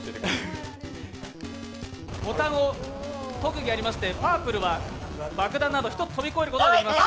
ボタンを特技ありまして、パープルは爆弾などを一つ跳び越えることができます！